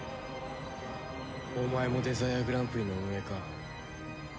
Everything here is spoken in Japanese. お前もデザイアグランプリの運営か。